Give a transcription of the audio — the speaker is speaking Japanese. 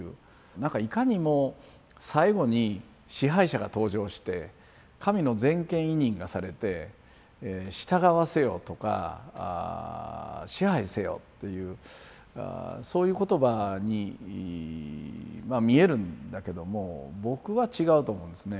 なんかいかにも最後に支配者が登場して神の全権委任がされて「従わせよ」とか「支配せよ」っていうそういう言葉に見えるんだけども僕は違うと思うんですね。